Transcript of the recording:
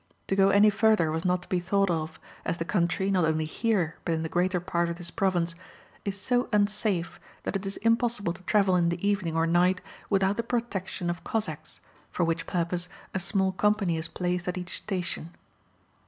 To go any further was not to be thought of, as the country, not only here, but in the greater part of this province, is so unsafe that it is impossible to travel in the evening or night without the protection of Cossacks, for which purpose a small company is placed at each station.